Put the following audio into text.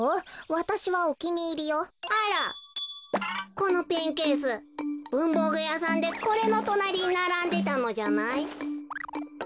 このペンケースぶんぼうぐやさんでこれのとなりにならんでたのじゃない？